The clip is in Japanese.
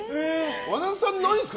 和田さんないんですか？